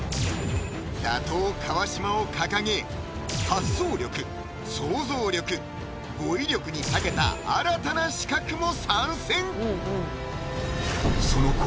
打倒川島を掲げ発想力・想像力・語彙力に長けた新たな刺客も参戦！